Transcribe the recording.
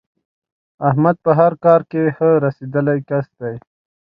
احمد په هر کار کې ښه رسېدلی کس دی.